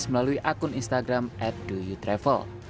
melalui akun instagram at the you travel